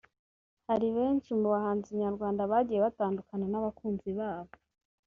Hari benshi mu bahanzi nyarwanda bagiye batandukana n’abakunzi babo